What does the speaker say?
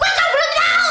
gue kan belum tau